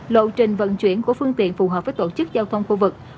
lộ trình vận chuyển của phương tiện phù hợp với tổ chức giao thông khu vực